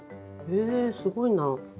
へえすごいな。